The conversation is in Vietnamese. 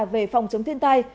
về phòng chống thiên tai